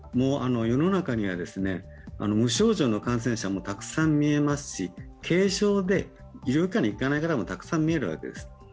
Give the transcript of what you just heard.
世の中には無症状の感染者もたくさんみえますし、軽症で医療機関に行かない方もたくさんいるわけです。